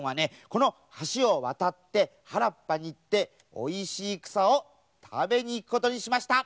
このはしをわたってはらっぱにいっておいしいくさをたべにいくことにしました。